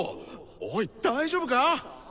おい大丈夫か！？